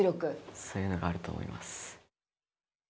そういうのがあると思います。